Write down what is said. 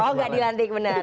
oh enggak dilantik benar